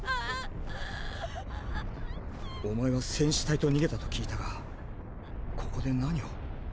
⁉お前は戦士隊と逃げたと聞いたがここで何を？